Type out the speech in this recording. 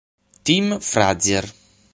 Tim Frazier